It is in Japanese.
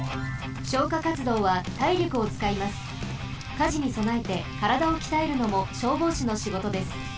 火事にそなえてからだをきたえるのも消防士の仕事です。